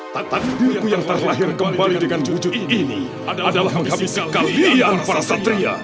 tetapi diriku yang terlahir kembali dengan wujud ini adalah menghabiskan kemuliaan para satria